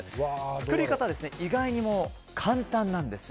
作り方は意外に簡単なんです。